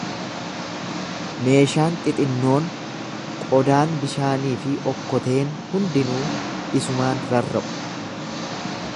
Meeshaan xixinnoon, qodaan bishaanii fi okkoteen hundinuu isumaan rarra'u.